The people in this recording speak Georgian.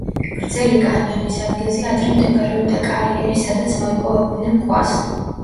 გრძელი კანიონის ადგილზე ადრე მდებარეობდა კარიერი, სადაც მოიპოვებდნენ ქვას.